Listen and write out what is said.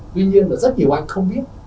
tuy nhiên là rất nhiều anh không biết